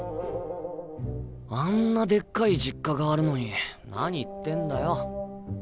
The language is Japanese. あんなデッカい実家があるのに何言ってんだよ。